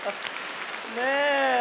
ねえ。